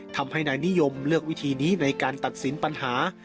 ทำให้นายนิยมเลือกวิธีนี้ในการตัดสินปัญหา